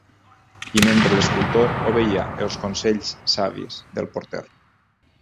I mentre l'escultor obeïa els consells savis del porter